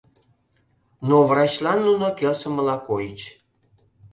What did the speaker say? Но врачлан нуно келшымыла койыч.